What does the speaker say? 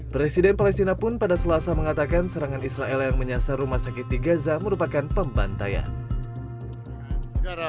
presiden palestina pun pada selasa mengatakan serangan israel yang menyasar rumah sakit di gaza merupakan pembantaian